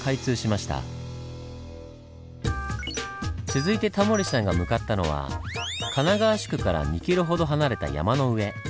続いてタモリさんが向かったのは神奈川宿から２キロほど離れた山の上。